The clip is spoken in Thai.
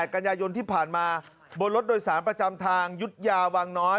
กันยายนที่ผ่านมาบนรถโดยสารประจำทางยุธยาวังน้อย